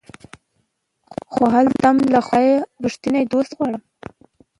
خو هلته هم له خدايه ريښتيني دوست غواړم